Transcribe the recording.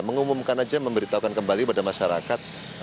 mengumumkan saja memberitahukan kembali pada masyarakat